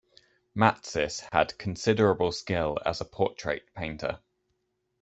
Matsys had considerable skill as a portrait painter.